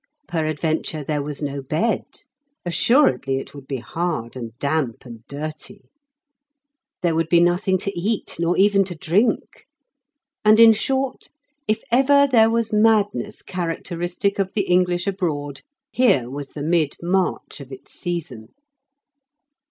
Peradventure there was no bed; assuredly it would be hard and damp and dirty. There would be nothing to eat, nor even to drink; and in short, if ever there was madness characteristic of the English abroad, here was the mid March of its season.